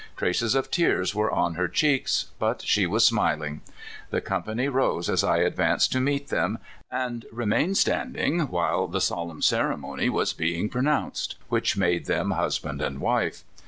Traces of tears were on her cheeks, but she was smiling. The company rose as I advanced to meet them, and remained standing while the solemn ceremony was being pronounced which made them husband and wife.